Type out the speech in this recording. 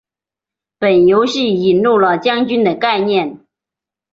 本游戏引人了将军的概念。